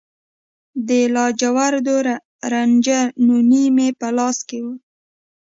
د لاجوردو رنجه نوني مې په لاس کې